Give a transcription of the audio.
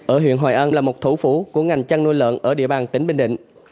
ở huyện hồi an là một thủ phủ của ngành trăn nuôi lợn ở địa bàn tỉnh bình định